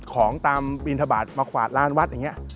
ของตามบินทบาทมาขวาดร้านวัดอย่างนี้